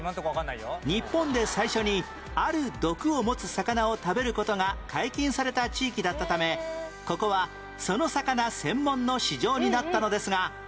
日本で最初にある毒を持つ魚を食べる事が解禁された地域だったためここはその魚専門の市場になったのですがその魚とは何？